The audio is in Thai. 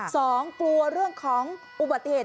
กลัวเรื่องของอุบัติเหตุ